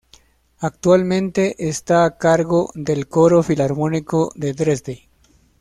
Actualmente está a cargo del Coro Filarmónico de Dresde.